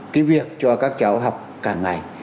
cái việc cho các cháu học cả ngày